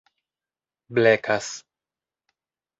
blekas